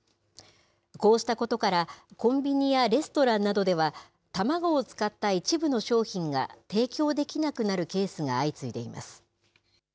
こうしたことから、コンビニやレストランなどでは、卵を使った一部の商品が提供できなくなるケースが相次いでいます。